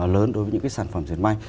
lớn đối với những cái sản phẩm diệt may